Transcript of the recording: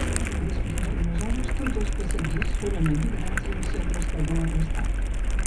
Després d'unes hores, tots els passatgers foren alliberats i el segrestador arrestat.